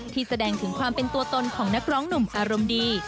แสดงถึงความเป็นตัวตนของนักร้องหนุ่มอารมณ์ดี